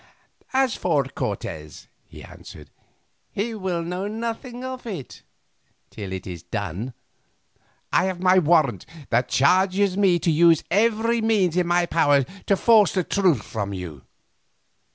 "As for Cortes," he answered, "he will know nothing of it—till it is done. I have my warrant that charges me to use every means in my power to force the truth from you.